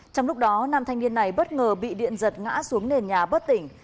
trong lúc đó nam thanh niên này bất ngờ bị điện giật ngã xuống nền nhà bất tỉnh